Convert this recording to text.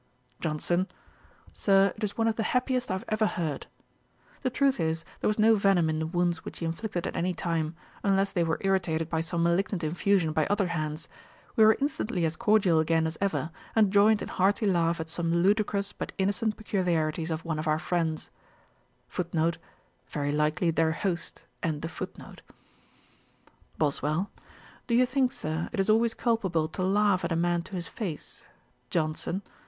JOHNSON. 'Sir, it is one of the happiest I have ever heard.' The truth is, there was no venom in the wounds which he inflicted at any time, unless they were irritated by some malignant infusion by other hands. We were instantly as cordial again as ever, and joined in hearty laugh at some ludicrous but innocent peculiarities of one of our friends. BOSWELL. 'Do you think, Sir, it is always culpable to laugh at a man to his face?' JOHNSON.